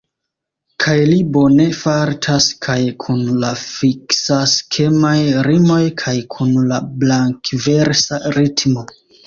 Kaj li bone fartas kaj kun la fiksaskemaj rimoj kaj kun la blankversa ritmo.